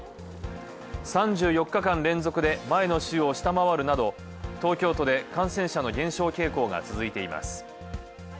３４日間連続で前の週を下回るなど東京都で感染者の減少傾向が続いています。